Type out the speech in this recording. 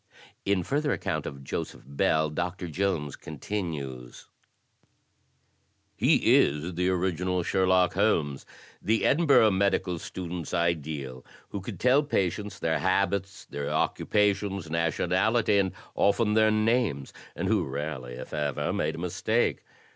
In further account of Joseph Bell, Doctor Jones con tinues: "He is the original Sherlock Holmes — the Edinburgh medical students' ideal — who could tell patients their habits, their occupations, nationality, and often their names, and who rarely, if ever, made a mistake.